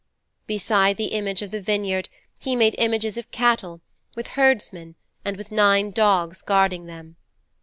Beside the image of the vineyard he made images of cattle, with herdsmen, and with nine dogs guarding them.